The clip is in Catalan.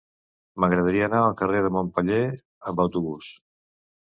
M'agradaria anar al carrer de Montpeller amb autobús.